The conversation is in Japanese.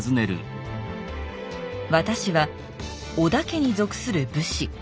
和田氏は織田家に属する武士。